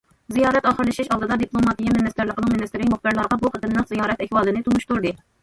زىيارەت ئاخىرلىشىش ئالدىدا، دىپلوماتىيە مىنىستىرلىقىنىڭ مىنىستىرى مۇخبىرلارغا بۇ قېتىملىق زىيارەت ئەھۋالىنى تونۇشتۇردى.